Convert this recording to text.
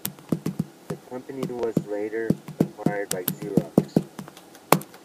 The company was later acquired by Xerox.